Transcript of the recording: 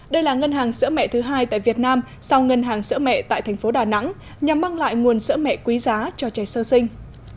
đây là ngân hàng sữa mẹ thứ hai tại việt nam sau ngân hàng sữa mẹ tại thành phố đà nẵng nhằm mang lại nguồn sữa mẹ quý giá cho trẻ sơ sinh